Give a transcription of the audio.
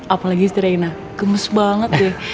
apalagi istri reina gemes banget deh